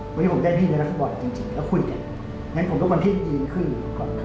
วันนี้ผมได้พี่ในนักบอลจริงแล้วคุณเองงั้นผมต้องการพี่ดีขึ้นก่อนครับ